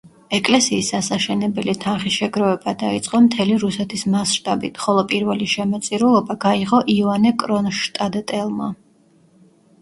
ეკლესიის ასაშენებელი თანხის შეგროვება დაიწყო მთელი რუსეთის მასშტაბით, ხოლო პირველი შემოწირულობა გაიღო იოანე კრონშტადტელმა.